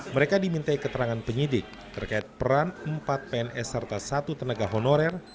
mereka dimintai keterangan penyidik terkait peran empat pns serta satu tenaga honorer